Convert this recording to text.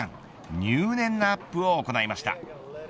入念なアップを行いました。